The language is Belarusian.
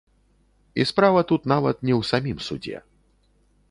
І справа тут нават не ў самім судзе.